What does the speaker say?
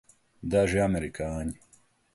Daži amerikāņi.